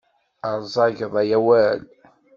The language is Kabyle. Ṛzageḍ ay awal.